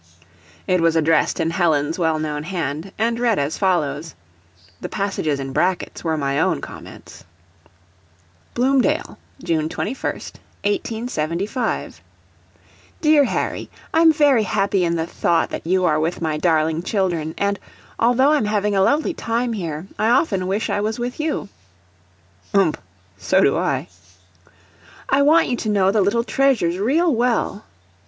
It was addressed in Helen's well known hand, and read as follows (the passages in brackets were my own comments): "BLOOMDALE, June 21, 1875. "DEAR HARRY: I'm very happy in the thought that you are with my darling children, and, although I'm having a lovely time here, I often wish I was with you. [Ump so do I.] I want you to know the little treasures real well.